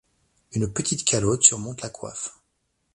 Une petite calotte surmonte la coiffe.